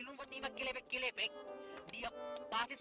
tapi mau jual sapi